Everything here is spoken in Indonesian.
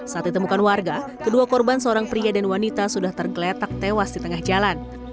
saat ditemukan warga kedua korban seorang pria dan wanita sudah tergeletak tewas di tengah jalan